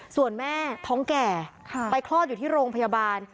ส่วนแม่ท้องแก่ไปคลอดอยู่ที่โรงพยาบาล